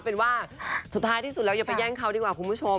เป็นว่าสุดท้ายที่สุดแล้วอย่าไปแย่งเขาดีกว่าคุณผู้ชม